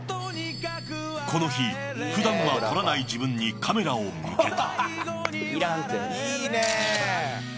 この日、普段は撮らない自分にカメラを向けた。